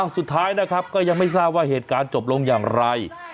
สุดท้ายนะครับก็ยังไม่ทราบว่าเหตุการณ์จบลงอย่างไร